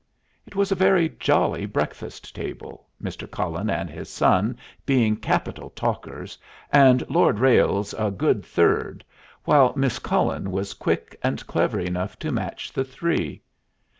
It was a very jolly breakfast table, Mr. Cullen and his son being capital talkers, and Lord Ralles a good third, while Miss Cullen was quick and clever enough to match the three.